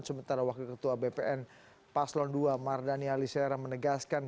sementara wakil ketua bpn paslon dua mardani alisera menegaskan